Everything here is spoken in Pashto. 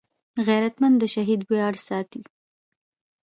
غیرتمند د شهید ویاړ ساتي